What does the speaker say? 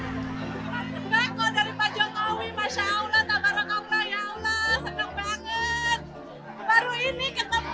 sembako dari pak jokowi masya allah tuhan barakallah ya allah senang banget